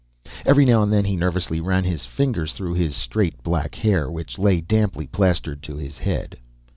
Every now and then he nervously ran his fingers through his straight black hair, which lay damply plastered to his head.